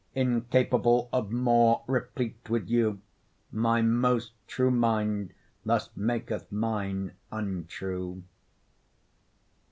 Incapable of more, replete with you, My most true mind thus maketh mine untrue.